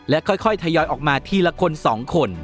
ค่อยทยอยออกมาทีละคน๒คน